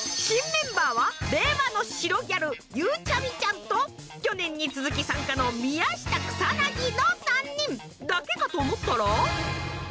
新メンバーは令和の白ギャルゆうちゃみちゃんと去年に続き参加の宮下草薙の３人。だけかと思ったら。